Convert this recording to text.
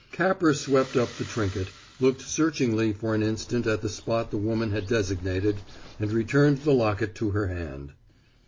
Capper swept up the trinket, looked searchingly for an instant at the spot the woman had designated, and returned the locket to her hand.